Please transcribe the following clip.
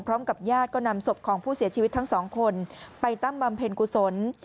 พร้อมกับญาติก็นำศพของผู้เสียชีวิตทั้งสองคนไปตั้งบำเพ็ญกุศล